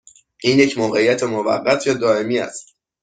این یک موقعیت موقت یا دائمی است؟